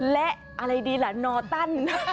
และอะไรดีล่ะนอตัน